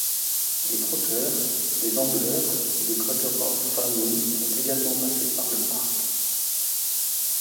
Des trotteurs, des ambleurs et des quarter-horse fameux sont également passés par le parc.